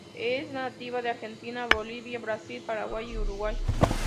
Es nativa de Argentina, Bolivia, Brasil, Paraguay, Uruguay.